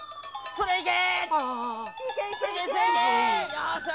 それいけ！